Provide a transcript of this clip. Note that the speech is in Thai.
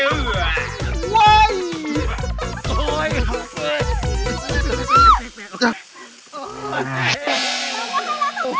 มันเรียกทำไมผัวแอบ